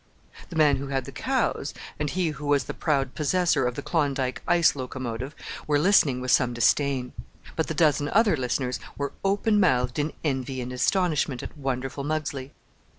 The man who had the cows, and he who was the proud possessor of the Klondike ice locomotive were listening with some disdain; but the dozen other listeners were open mouthed in envy and astonishment at wonderful Muggsley.